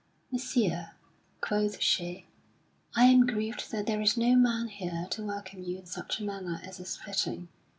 "Messire," quoth she, "I am grieved that there is no man here to welcome you in such a manner as is fitting.